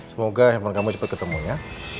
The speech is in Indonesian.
semoga handphone kamu cepat ketemu ya